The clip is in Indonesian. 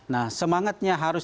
nah semangatnya harus